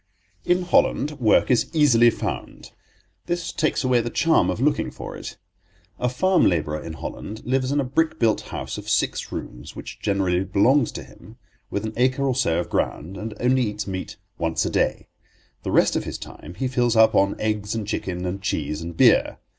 In Holland work is easily found; this takes away the charm of looking for it. A farm labourer in Holland lives in a brick built house of six rooms, which generally belongs to him, with an acre or so of ground, and only eats meat once a day. The rest of his time he fills up on eggs and chicken and cheese and beer.